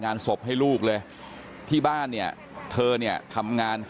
อายุ๑๐ปีนะฮะเขาบอกว่าเขาก็เห็นถูกยิงนะครับ